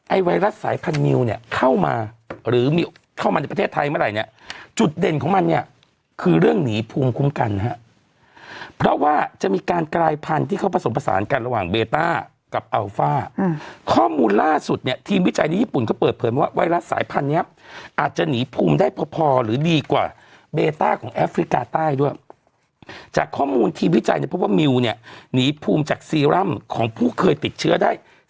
ไอ้ไวรัสสายพันมิวเนี่ยเข้ามาหรือเข้ามาในประเทศไทยเมื่อไหร่เนี่ยจุดเด่นของมันเนี่ยคือเรื่องหนีภูมิคุ้มกันครับเพราะว่าจะมีการกลายพันที่เข้าผสมผสานกันระหว่างเบต้ากับอัลฟ่าข้อมูลล่าสุดเนี่ยทีมวิจัยในญี่ปุ่นก็เปิดเพิ่มว่าไวรัสสายพันเนี่ยอาจจะหนีภูมิได้พอหรือด